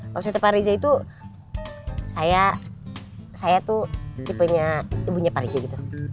maksud pak rizie itu saya tuh tipenya ibunya pak rizie gitu